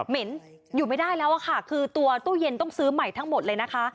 เหน็นอยู่ไม่ได้แล้วอะค่ะคือตัวตู้เย็นต้องซื้อใหม่ทั้งหมดเลยนะคะ